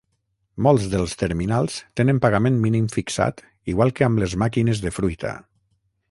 Molts dels terminals tenen pagament mínim fixat igual que amb les màquines de fruita.